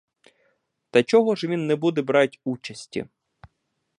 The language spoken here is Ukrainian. Та чого ж він не буде брать участі?